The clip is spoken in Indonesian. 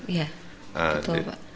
iya betul pak